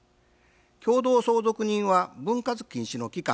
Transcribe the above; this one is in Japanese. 共同相続人は分割禁止の期間